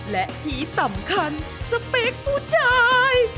และที่สำคัญสเปคผู้ชาย